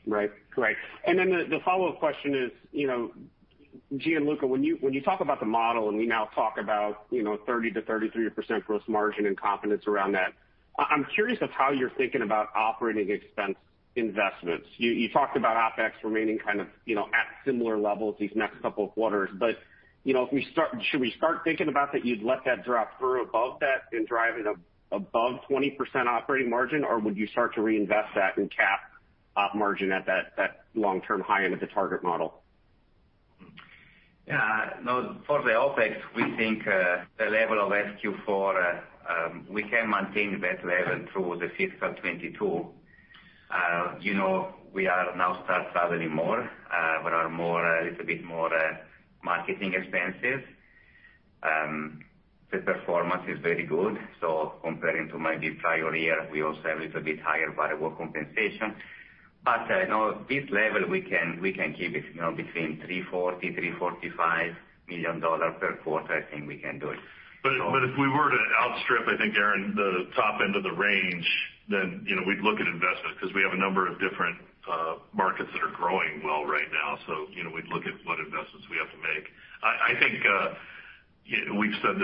Right. Great. The follow-up question is, Gianluca, when you talk about the model, and we now talk about 30%-33% gross margin and confidence around that, I'm curious of how you're thinking about operating expense investments. You talked about OpEx remaining at similar levels these next couple of quarters. Should we start thinking about that you'd let that drop through above that and drive an above 20% operating margin, or would you start to reinvest that and cap op margin at that long-term high end of the target model? No. For the OpEx, we think the level of Q4, we can maintain that level through the fiscal 2022. We are now start traveling more. There are a little bit more marketing expenses. The performance is very good. Comparing to maybe prior year, we also have a little bit higher variable compensation. This level, we can keep it between $340 million-$345 million per quarter. I think we can do it. If we were to outstrip, I think, Aaron Rakers, the top end of the range, then we'd look at investment because we have a number of different markets that are growing well right now. We'd look at what investments we have to make. I think we said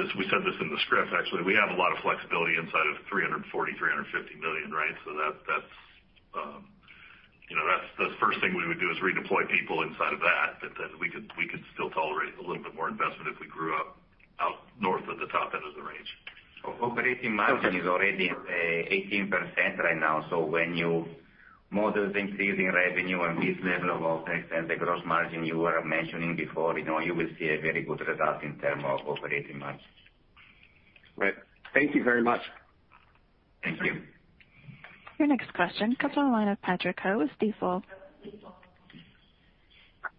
this in the script, actually. We have a lot of flexibility inside of $340 million-$350 million, right? That's the first thing we would do, is redeploy people inside of that. Then we could still tolerate a little bit more investment if we grew up out north of the top end of the range. Operating margin is already 18% right now. When you model the increasing revenue and this level of OpEx and the gross margin you were mentioning before, you will see a very good result in terms of operating margin. Right. Thank you very much. Thank you. Your next question comes on the line of Patrick Ho with Stifel.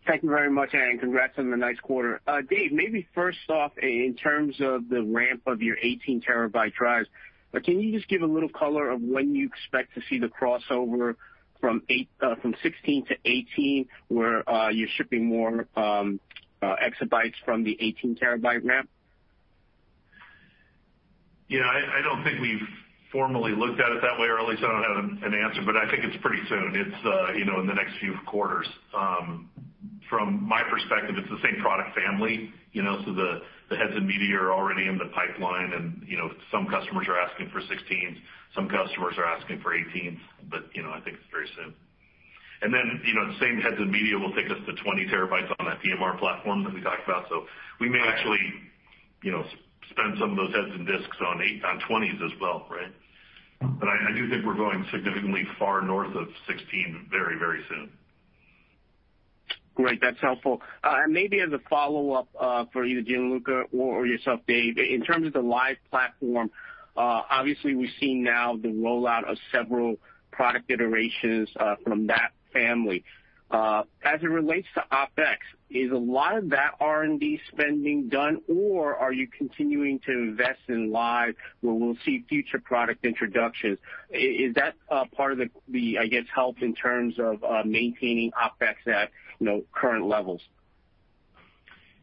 Thank you very much. Congrats on the nice quarter. Dave, maybe first off, in terms of the ramp of your 18 TB drives, can you just give a little color of when you expect to see the crossover from 16 TB-18 TB, where you're shipping more exabytes from the 18 TB ramp? Yeah, I don't think we've formally looked at it that way, or at least I don't have an answer, but I think it's pretty soon. It's in the next few quarters. From my perspective, it's the same product family, so the heads and media are already in the pipeline, and some customers are asking for 16s, some customers are asking for 18 TB, but I think it's very soon. Then, the same heads and media will take us to 20 TB on that PMR platform that we talked about. We may actually spend some of those heads and disks on 20 TB as well, right? I do think we're going significantly far north of 16 TB very, very soon. Great. That's helpful. Maybe as a follow-up for you, Gianluca, or yourself, Dave, in terms of the Lyve platform, obviously we've seen now the rollout of several product iterations from that family. As it relates to OpEx, is a lot of that R&D spending done, or are you continuing to invest in Lyve where we'll see future product introductions? Is that part of the, I guess, help in terms of maintaining OpEx at current levels?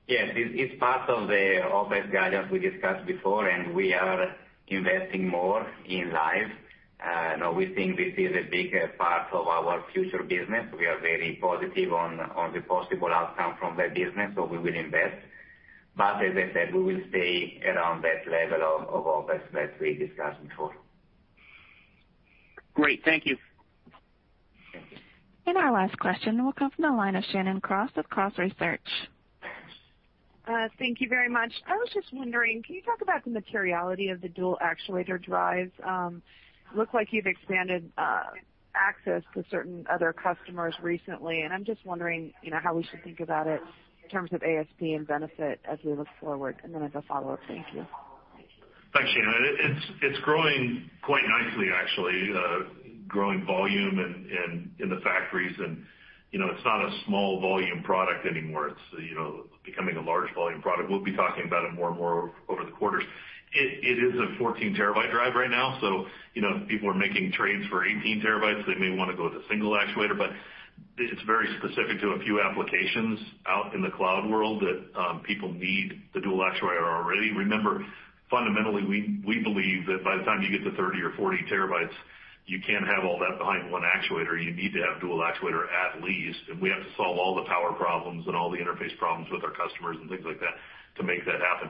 Yes. It's part of the OpEx guidance we discussed before. We are investing more in Lyve. We think this is a big part of our future business. We are very positive on the possible outcome from that business. We will invest. As I said, we will stay around that level of OpEx that we discussed before. Great. Thank you. Thank you. Our last question will come from the line of Shannon Cross with Cross Research. Thank you very much. I was just wondering, can you talk about the materiality of the dual actuator drives? Look like you've expanded access to certain other customers recently, and I'm just wondering how we should think about it in terms of ASP and benefit as we look forward. As a follow-up. Thank you. Thanks, Shannon. It's growing quite nicely, actually. Growing volume in the factories, and it's not a small volume product anymore. It's becoming a large volume product. We'll be talking about it more and more over the quarters. It is a 14 TB drive right now, so people are making trades for 18 TB. They may want to go with a single actuator, but it's very specific to a few applications out in the cloud world that people need the dual actuator already. Remember, fundamentally, we believe that by the time you get to 30 TB or 40 TB, you can't have all that behind one actuator. You need to have dual actuator at least. We have to solve all the power problems and all the interface problems with our customers and things like that to make that happen.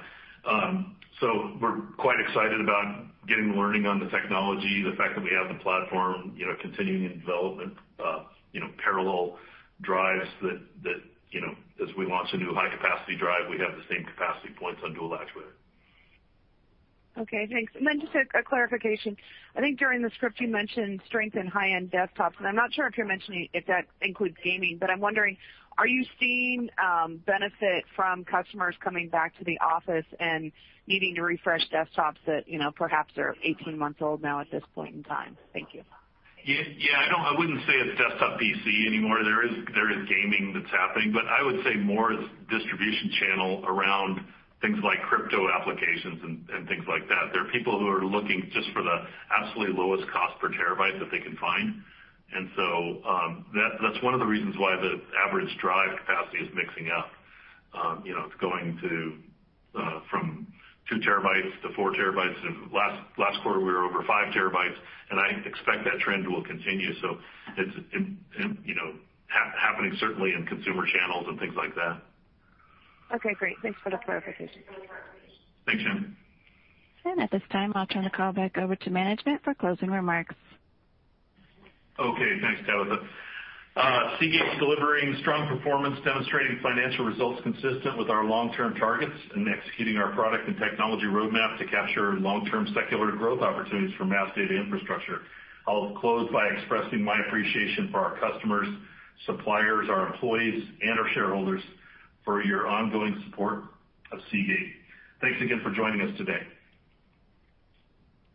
We're quite excited about getting the learning on the technology, the fact that we have the platform continuing in development, parallel drives that as we launch a new high-capacity drive, we have the same capacity points on dual actuator. Okay, thanks. Just a clarification. I think during the script, you mentioned strength in high-end desktops, and I'm not sure if you're mentioning if that includes gaming, but I'm wondering, are you seeing benefit from customers coming back to the office and needing to refresh desktops that perhaps are 18 months old now at this point in time? Thank you. Yeah. I wouldn't say it's desktop PC anymore. There is gaming that's happening, but I would say more is distribution channel around things like crypto applications and things like that. There are people who are looking just for the absolutely lowest cost per terabyte that they can find. That's one of the reasons why the average drive capacity is mixing up. It's going from 2 TB-4 TB. Last quarter, we were over 5 TB, and I expect that trend will continue. It's happening certainly in consumer channels and things like that. Okay, great. Thanks for the clarification. Thanks, Shannon. At this time, I'll turn the call back over to management for closing remarks. Okay. Thanks, Tabitha. Seagate is delivering strong performance, demonstrating financial results consistent with our long-term targets and executing our product and technology roadmap to capture long-term secular growth opportunities for mass data infrastructure. I'll close by expressing my appreciation for our customers, suppliers, our employees, and our shareholders for your ongoing support of Seagate. Thanks again for joining us today.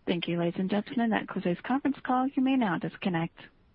Thank you, ladies and gentlemen. That concludes conference call. You may now disconnect.